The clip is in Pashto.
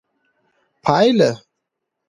پايله